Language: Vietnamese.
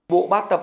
bộ ba tập